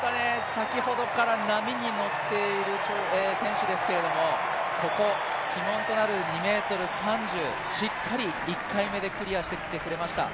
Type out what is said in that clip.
先ほどから波に乗っている選手ですけれどもここ、鬼門となる２ｍ３０、しっかり１回目でクリアしてきてくれました。